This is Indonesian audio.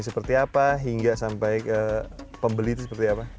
seperti apa hingga sampai ke pembeli itu seperti apa